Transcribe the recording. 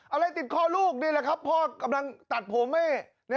อะไรติดคอลูกนี่แหละครับพ่อกำลังตัดผมให้